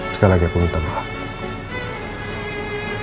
sekali lagi aku minta maaf